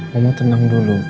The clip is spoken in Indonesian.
mama tenang dulu